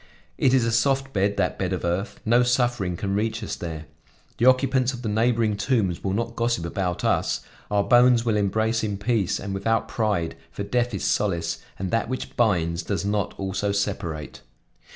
It is a soft bed, that bed of earth; no suffering can reach us there; the occupants of the neighboring tombs will not gossip about us; our bones will embrace in peace and without pride, for death is solace, and that which binds does not also separate.